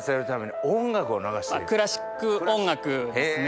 クラシック音楽ですね。